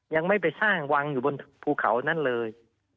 ยังไม่ไปสร้างวังอยู่บนภูเขานั้นเลย